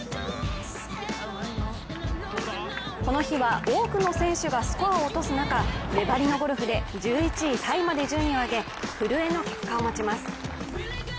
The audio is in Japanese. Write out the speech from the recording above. この日は、多くの選手がスコアを落とす中粘りのゴルフで１１位タイまで順位を上げ古江の結果を待ちます。